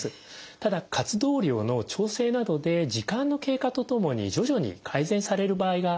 ただ活動量の調整などで時間の経過とともに徐々に改善される場合が多いです。